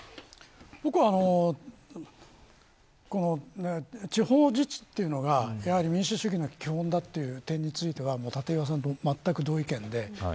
僕は地方自治というのが民主主義の基本という点については立岩さんと同じ意見です。